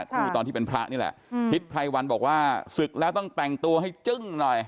ครูตอนที่เป็นพระนี่แหละทิศไพรวันบอกว่าศึกแล้วต้องแต่งตัวให้จึ้งหน่อย